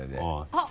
あっ。